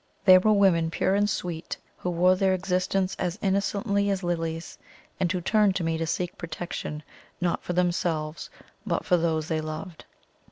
There were women pure and sweet, who wore their existence as innocently as lilies, and who turned to me to seek protection, not for themselves, but for those they loved.